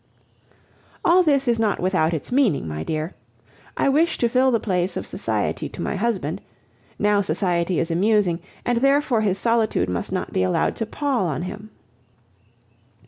All this is not without its meaning, my dear. I wish to fill the place of society to my husband; now society is amusing, and therefore his solitude must not be allowed to pall on him.